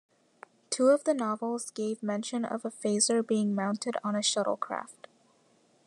Two of the novels gave mention of a phaser being mounted on shuttlecraft.